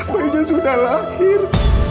bayinya sudah lahir